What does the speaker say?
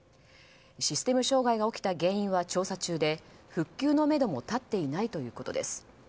システム障害が起きた原因は調査中で復旧のめども立っていないということです。